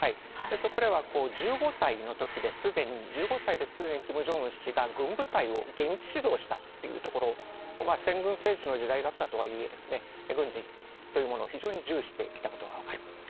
そこでは１５歳のときで１５歳ですでにキム・ジョンウン氏が軍部隊を現地指導したというところを先軍政治の時代だったとはいえ軍事というものを非常に重視してきたことが分かる。